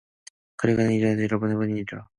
그래 그는 이전에도 여러 번 해본 일이라